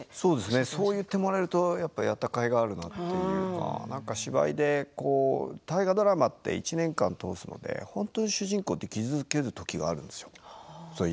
そう言ってもらえるとやったかいがあるなというか芝居って大河ドラマって１年間通すので本当に主人公って気付けずな時があるんですよ。